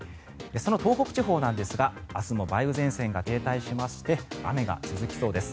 その東北地方なんですが明日も梅雨前線が停滞しまして雨が続きそうです。